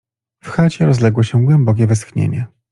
W chacie rozległo się głębokie westchnienie.